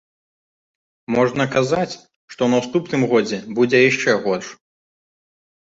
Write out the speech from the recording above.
Можна казаць, што ў наступным годзе будзе яшчэ горш.